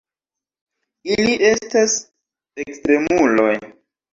Ili estas ekstremuloj.